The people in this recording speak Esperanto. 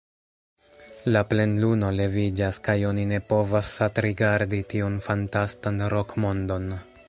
La plenluno leviĝas, kaj oni ne povas satrigardi tiun fantastan rok-mondon.